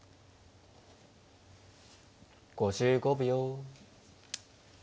５５秒。